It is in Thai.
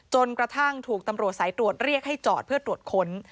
จนกระทั่งถูกตำรวจสายตรวจเรียกให้จอดเพื่อตรวจค้น